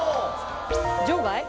場外？